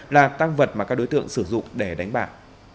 là tăng vật mà các đối tượng sử dụng để đánh bạc